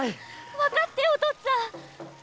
わかってお父っつぁん！